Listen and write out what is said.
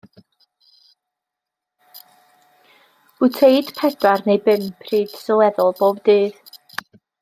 Bwyteid pedwar neu bum pryd sylweddol bob dydd.